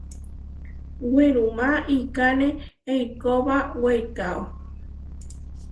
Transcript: Werumá iʼkáne eikóba weikáo.